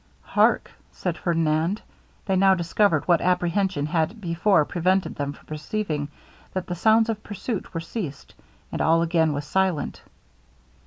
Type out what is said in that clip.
'Hark!' said Ferdinand. They now discovered what apprehension had before prevented them from perceiving, that the sounds of pursuit were ceased, and all again was silent.